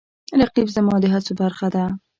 رقیب زما د هڅو برخه ده